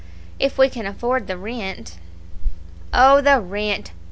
"If we can afford the rent." "Oh, the rent!"